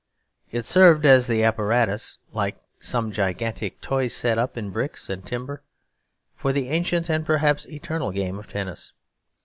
It served as the apparatus, like some gigantic toy set up in bricks and timber, for the ancient and perhaps eternal game of tennis.